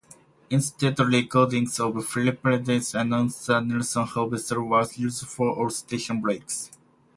Instead, recordings of Philadelphia announcer Nelson Hobdell were used for all station breaks.